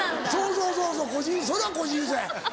そうそうそうそれは個人差や。